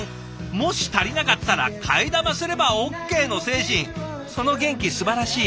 もし足りなかったら「替え玉すればＯＫ」の精神その元気すばらしい。